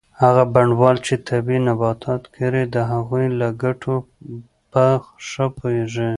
هغه بڼوال چې طبي نباتات کري د هغوی له ګټو په ښه پوهیږي.